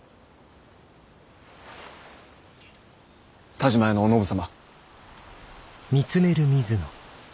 田嶋屋のお信様。